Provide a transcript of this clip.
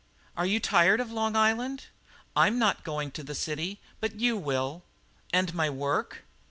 "Are you tired of Long Island?" "I'm not going to the city, but you will." "And my work?"